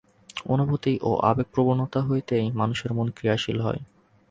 অনুভূতি ও আবেগপ্রবণতা হইতেই মানুষের মন ক্রিয়াশীল হয়।